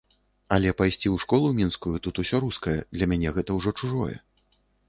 Але пайсці ў школу мінскую -тут усё рускае, для мяне гэта ўжо чужое.